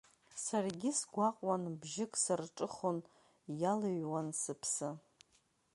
Саргьы сгәаҟуан, бжьык сарҿыхон, иалыҩуан сыԥсы.